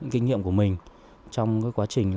kinh nghiệm của mình trong quá trình